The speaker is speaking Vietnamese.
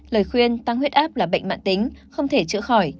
lời khuyên tăng huyết áp là bệnh mạng tính không thể chữa khỏi